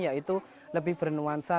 yaitu lebih bernuansa